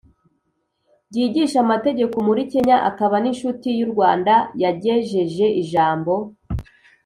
ryigisha amategeko muri Kenya akaba n inshuti y u Rwanda yagejeje ijambo